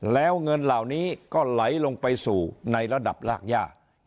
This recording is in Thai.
แล้วเงินเหล่านี้ก็ไหลลงไปสู่ในระดับรากย่า